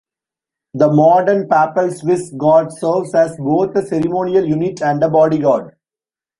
The modern Papal Swiss Guard serves as both a ceremonial unit and a bodyguard.